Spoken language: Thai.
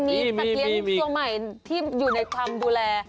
มีสัตว์เลี้ยงตัวใหม่ที่อยู่ในความดูแล